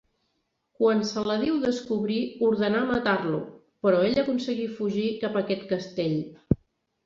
Quan Saladí ho descobrí ordenà matar-lo, però ell aconseguí fugir cap a aquest castell.